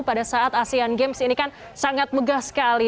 pada saat asean games ini kan sangat megah sekali